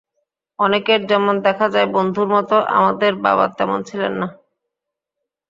অনেকের যেমন দেখা যায় বন্ধুর মতো, আমাদের বাবা তেমন ছিলেন না।